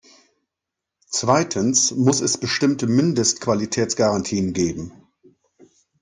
Zweitens muss es bestimmte Mindestqualitätsgarantien geben.